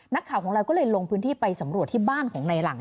นักข่าวของเราก็เลยลงพื้นที่ไปสำรวจที่บ้านของในหลัง